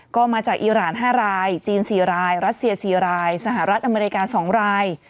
ก็มาจากอีราน๕รายจีน๔รายรัสเซีย๔รายสหรัฐอเมริกา๒ราย